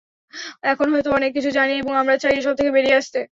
এখন হয়তো অনেক কিছু জানি এবং আমরা চাই এসব থেকে বেরিয়ে আসতে।